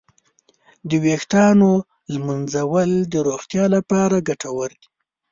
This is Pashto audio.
د ویښتانو ږمنځول د روغتیا لپاره ګټور دي.